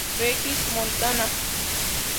Regis, Montana.